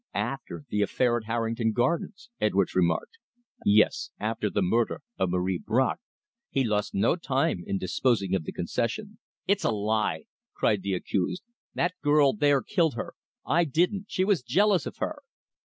"After the affair at Harrington Gardens," Edwards remarked. "Yes; after the murder of Marie Bracq, he lost no time in disposing of the concession." "It's a lie!" cried the accused. "That girl there killed her. I didn't she was jealous of her!"